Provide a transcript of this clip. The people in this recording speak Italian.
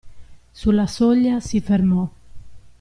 Sulla soglia si fermò.